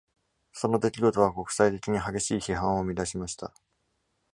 その出来事は国際的に激しい批判を生み出しました。